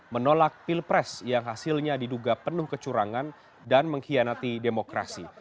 menolak pilpres yang hasilnya diduga penuh kecurangan dan mengkhianati demokrasi